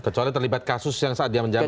kecuali terlibat kasus yang saat dia menjabat